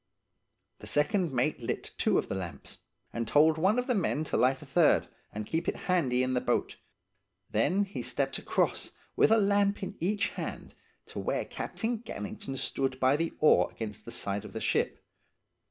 "The second mate lit two of the lamps, and told one of the men to light a third, and keep it handy in the boat; then he stepped across, with a lamp in each hand, to where Captain Gannington stood by the oar against the side of the ship.